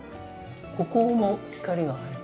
ここも光が入る。